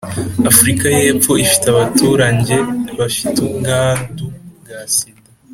Africa y’epfo ifite abaturange bafite ubwadu bw’a Sida